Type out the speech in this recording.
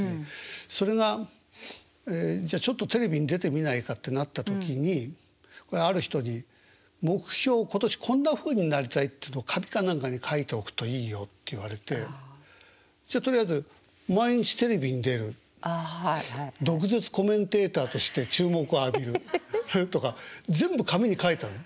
それがじゃあちょっとテレビに出てみないかってなった時にある人に目標を今年こんなふうになりたいっていうのを紙か何かに書いておくといいよって言われてじゃとりあえず「毎日テレビに出る」「毒舌コメンテーターとして注目を浴びる」とか全部紙に書いたの。